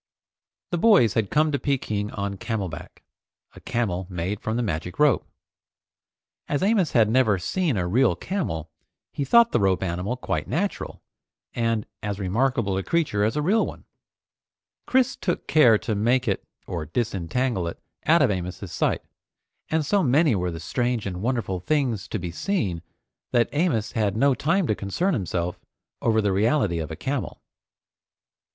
The boys had come to Peking on camel back, a camel made from the magic rope. As Amos had never seen a real camel, he thought the rope animal quite natural, and as remarkable a creature as a real one. Chris took care to make it or disentangle it out of Amos's sight, and so many were the strange and wonderful things to be seen, that Amos had no time to concern himself over the reality of a camel.